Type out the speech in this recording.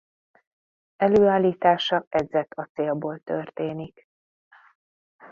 Előállítása edzett acélból történik.